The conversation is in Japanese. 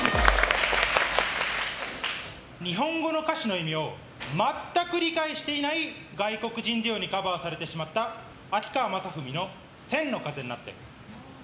日本語の歌詞の意味を全く理解していない外国人デュオにカバーされてしまった秋川雅史の「千の風になって」。